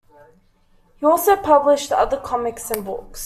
He also published other comics and books.